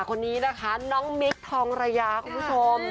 คนนี้นะคะพี่มิ้กซ์ธรน้องน้องมิทซ์ทองระยาคุณผู้ชม